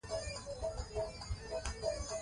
پښتانه باید په دې برخه کې شاته پاتې نه شي.